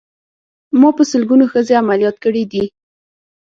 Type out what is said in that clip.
ما په سلګونو ښځې عمليات کړې دي.